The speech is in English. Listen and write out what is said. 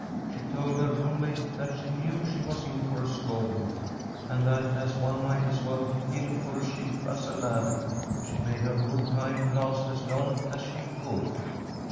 She told her roommate that she knew she was in for a scolding, and that, as one might as well be killed for a sheep as a lamb, she made her good time last as long as she could.